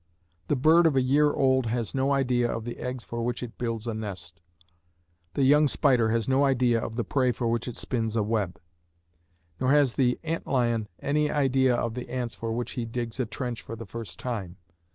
The bird of a year old has no idea of the eggs for which it builds a nest; the young spider has no idea of the prey for which it spins a web; nor has the ant lion any idea of the ants for which he digs a trench for the first time.